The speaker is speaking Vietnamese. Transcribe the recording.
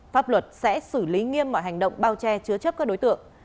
pháp luật sẽ xử lý nghiêm mọi hành động bao che chứa chấp các đối tượng